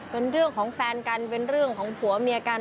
เป็นเรื่องของแฟนกันเป็นเรื่องของผัวเมียกัน